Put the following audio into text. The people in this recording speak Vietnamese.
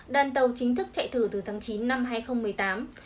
đoàn tàu chính thức chạy thử từ tháng chín năm hai nghìn một mươi tám